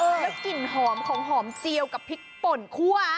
แล้วกลิ่นหอมของหอมเจียวกับพริกป่นคั่ว